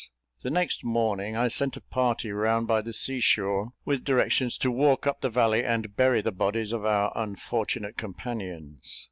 The next morning I sent a party round by the sea shore, with directions to walk up the valley and bury the bodies of our unfortunate companions.